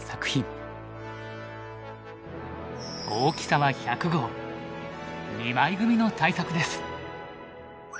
大きさは１００号２枚組の大作です。